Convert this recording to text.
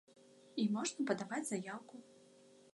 І можна падаваць заяўку.